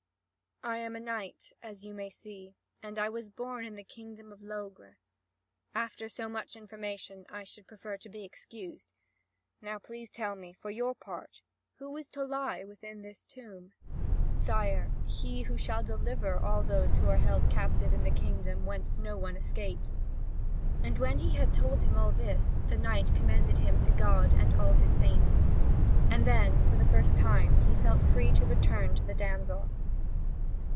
"I am a knight, as you may see, and I was born in the kingdom of Logre. After so much information, I should prefer to be excused. Now please tell me, for your part, who is to lie within this tomb." "Sire, he who shall deliver all those who are held captive in the kingdom whence none escapes." And when he had told him all this, the knight commended him to God and all His saints. And then, for the first time, he felt free to return to the damsel.